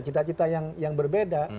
cita cita yang berbeda